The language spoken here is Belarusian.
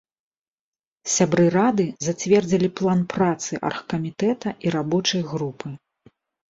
Сябры рады зацвердзілі план працы аргкамітэта і рабочай групы.